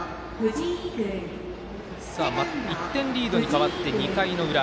１点リードに変わって２回裏。